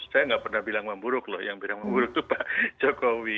saya nggak pernah bilang memburuk loh yang bilang memburuk itu pak jokowi